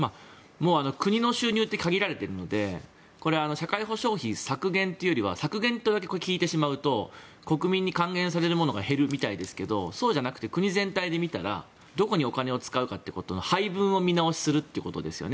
国の収入って限られているのでこれは社会保障費削減というより削減という言葉を聞いてしまうと国民に還元されるものが減るみたいですがそうじゃなくて国全体で見たらどこでお金を使うかということの配分を見直しするということですよね。